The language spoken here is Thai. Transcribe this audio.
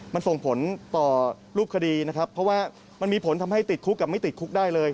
มันส่งผลต่อรูปคดีนะครับเพราะว่ามันมีผลทำให้ติดคุกกับไม่ติดคุกได้เลย